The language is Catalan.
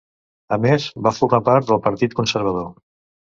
A més, va formar part del Partit Conservador.